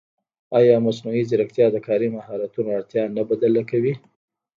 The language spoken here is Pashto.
ایا مصنوعي ځیرکتیا د کاري مهارتونو اړتیا نه بدله کوي؟